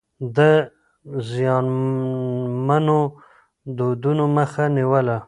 ده د زيانمنو دودونو مخه نيوله.